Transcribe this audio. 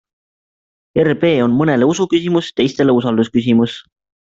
RB on mõnele usuküsimus, teistele usaldusküsimus.